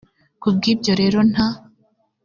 ku bw ibyo rero nta